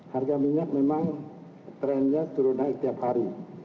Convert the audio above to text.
harga minyak memang trennya turun naik tiap hari